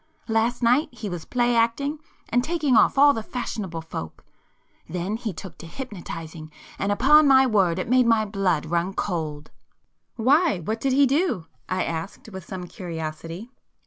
Last night he was play acting, and taking off all the fashionable folks,—then he took to hypnotising—and upon my word it made my blood run cold." "Why, what did he do?" I asked with some curiosity.